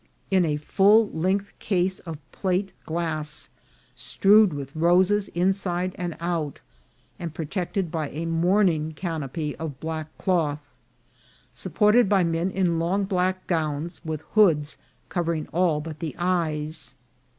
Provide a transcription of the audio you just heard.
217 in a full length case of plate glass, strewed with roses inside and out, and protected by a mourning canopy of black cloth, supported by men in long black gowns, with hoods covering all but the eyes.